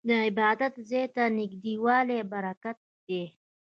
د عبادت ځای ته نږدې والی برکت دی.